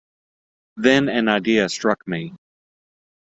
Then an idea struck me.